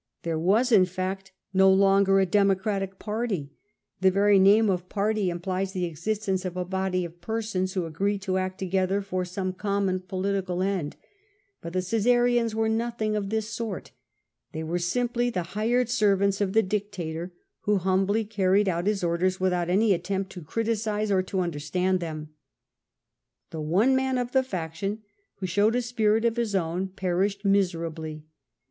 There was, in fact, no longer a Democratic party — the very name of party implies the existence of a body of persons who agree to act together for soma common political end. But the Omsarians were nothing of thin sort, they were simply the hired servants of the dictator, who humbly carried out his orders without any attempt to criticise or to under stand them, ^rim one man of the faction who showed a spirit of his own perished miserably.